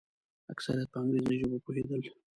اکثریت په انګریزي ژبه پوهېدل.